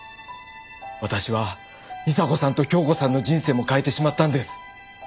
私は美紗子さんと京子さんの人生も変えてしまったんです。